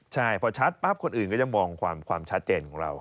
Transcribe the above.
ใช่พอชัดปั๊บคนอื่นก็จะมองความชัดเจนของเรา